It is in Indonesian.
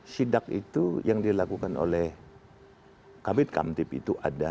sidak itu yang dilakukan oleh kabit kamtip itu ada